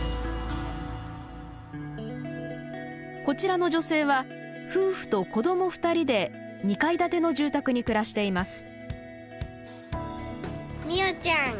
こちらの女性は夫婦と子供２人で２階建ての住宅に暮らしています。